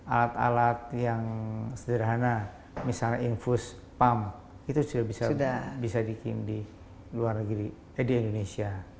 alat alat yang sederhana misalnya infus pump itu sudah bisa di bikin di luar negeri eh di indonesia